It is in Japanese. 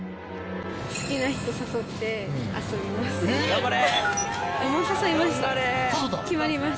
好きな人誘って遊びます。